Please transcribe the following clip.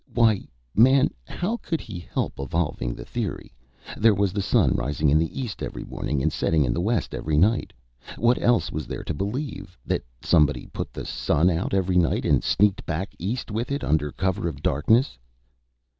Why, man, how could he help evolving the theory? There was the sun rising in the east every morning and setting in the west every night. What else was there to believe? That somebody put the sun out every night, and sneaked back east with it under cover of darkness?"